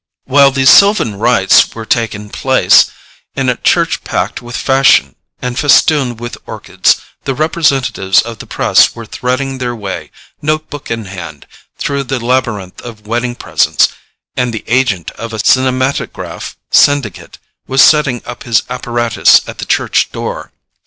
While these sylvan rites were taking place, in a church packed with fashion and festooned with orchids, the representatives of the press were threading their way, note book in hand, through the labyrinth of wedding presents, and the agent of a cinematograph syndicate was setting up his apparatus at the church door.